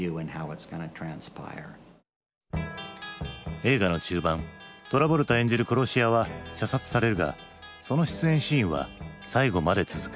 映画の中盤トラボルタ演じる殺し屋は射殺されるがその出演シーンは最後まで続く。